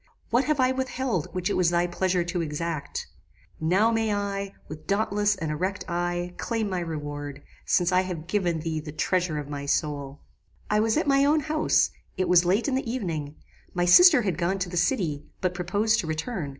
What have I withheld which it was thy pleasure to exact? Now may I, with dauntless and erect eye, claim my reward, since I have given thee the treasure of my soul. "I was at my own house: it was late in the evening: my sister had gone to the city, but proposed to return.